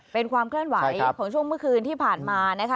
เป็นความเคลื่อนไหวของช่วงเมื่อคืนที่ผ่านมานะคะ